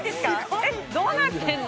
えっどうなってんの？